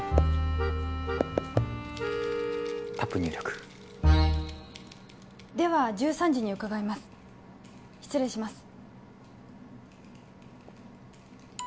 タップ入力では１３時に伺います失礼します